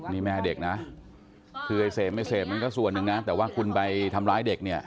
นี่แม่เด็กนะคือไอ้เสพไม่เสพมันก็ส่วนหนึ่งนะแต่ว่าคุณไปทำร้ายเด็กเนี่ย